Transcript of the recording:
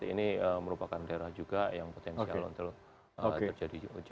ini merupakan daerah juga yang potensial untuk terjadi hujan